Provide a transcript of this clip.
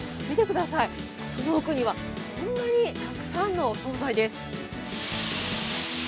見てください、その奥にはこんなにたくさんのお総菜です。